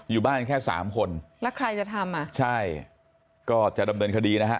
อยู่บ้านแค่สามคนแล้วใครจะทำอ่ะใช่ก็จะดำเนินคดีนะฮะ